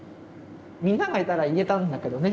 みんながいたら言えたんだけどね。